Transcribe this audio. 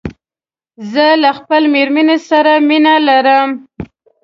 زه له خپلې ميرمن سره مينه لرم